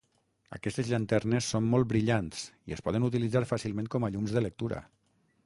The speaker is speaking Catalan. Aquestes llanternes són molt brillants i es poden utilitzar fàcilment com a llums de lectura.